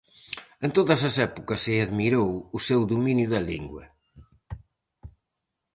En todas as épocas se admirou o seu dominio da lingua.